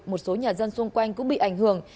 một số nhà dân xung quanh cũng bị ảnh hưởng